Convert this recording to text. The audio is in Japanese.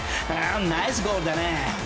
ナイスゴールだね！